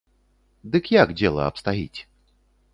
Дык як дзела абстаіць?